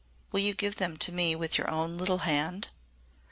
Will you give them to me with your own little hand?"